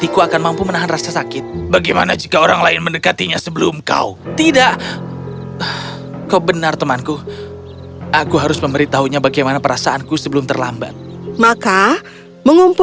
kerajaan yang sangat jauh